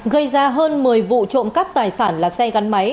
gây ra hơn một mươi vụ trộm cắp tài sản là xe gắn máy